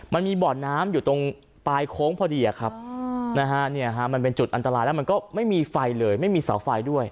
มันมีบ่อน้ำอยู่ตรงปลายโค้งพอดีครับนะฮะมันเป็นจุดอันตรายแล้วมันก็ไม่มีไฟเลยไม่มีเสาไฟด้วย